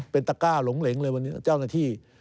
เป็นตะก้าหลงเหลงเลยวันนี้เจ้าหน้าที่